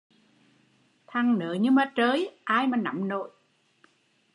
Thằng nớ như ma trơi, ai mà nắm nổi